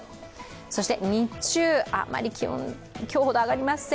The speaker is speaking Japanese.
そして日中、気温、今日ほど上がりません。